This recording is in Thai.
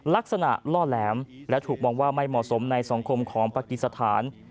ลักษณะล่อแหลมและถูกมองว่าไม่เหมาะสมในสังคมของปากีสถาน